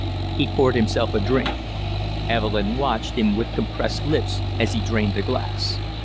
He poured himself a drink. Evelyn watched him with compressed lips as he drained the glass.